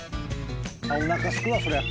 おなかすくわそりゃ。